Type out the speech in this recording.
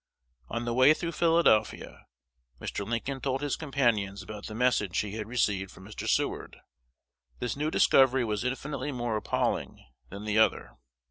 On the way through Philadelphia, Mr. Lincoln told his companions about the message he had received from Mr. Seward. This new discovery was infinitely more appalling than the other.